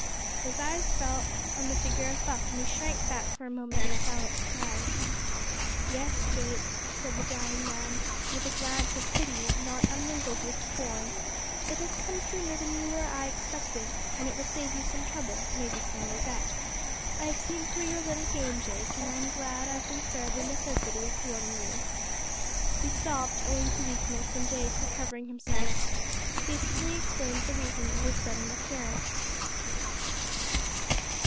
His eyes fell on the figure of Buck and he shrank back for a moment in silent surprise. "Yes, Jake," said the dying man, with a glance of pity not unmingled with scorn, "it has come sooner than you or I expected, and it will save you some trouble maybe some regret. I've seen through your little game, Jake, and am glad I've been spared the necessity of thwarting you." He stopped owing to weakness, and Jake, recovering himself, hastily explained the reason of his sudden appearance.